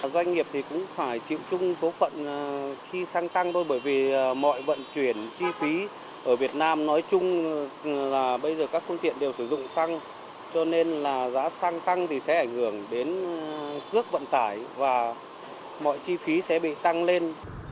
doanh nghiệp thì cũng phải chịu chung số phận khi xăng tăng thôi bởi vì mọi vận chuyển chi phí ở việt nam nói chung là bây giờ các phương tiện đều sử dụng xăng cho nên là giá xăng tăng thì sẽ ảnh hưởng đến cước vận tải và mọi chi phí sẽ bị tăng lên